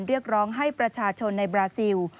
เรียกร้องให้ประชาชนในบราซิล